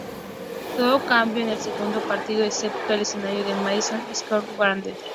Todo cambió en el segundo partido, excepto el escenario, el Madison Square Garden.